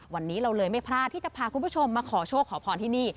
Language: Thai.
วันนี้เราเลยไม่พลาดที่จะพาคุณผู้ชมมาขอโชคขอพรที่นี่